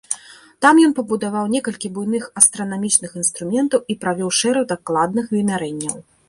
Там ён пабудаваў некалькі буйных астранамічных інструментаў і правёў шэраг дакладных вымярэнняў.